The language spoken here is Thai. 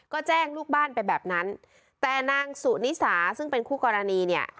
ก็แจ้งลูกบ้านไปแบบนั้นแต่นางสุนิสาซึ่งเป็นคู่กรณีเนี่ย